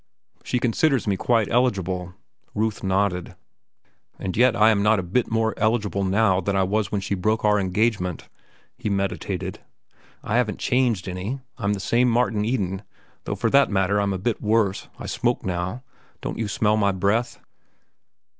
"She considers me quite eligible?" Ruth nodded. "And yet I am not a bit more eligible now than I was when she broke our engagement," he meditated. "I haven't changed any. I'm the same Martin Eden, though for that matter I'm a bit worse—I smoke now. Don't you smell my breath?"